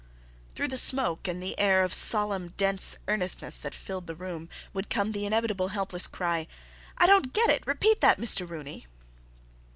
Through the smoke and the air of solemn, dense earnestness that filled the room would come the inevitable helpless cry: "I don't get it! Repeat that, Mr. Rooney!"